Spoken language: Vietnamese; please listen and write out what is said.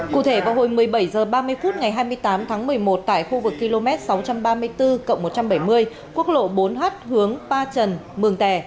cụ thể vào hồi một mươi bảy h ba mươi phút ngày hai mươi tám tháng một mươi một tại khu vực km sáu trăm ba mươi bốn một trăm bảy mươi quốc lộ bốn h hướng ba trần mường tè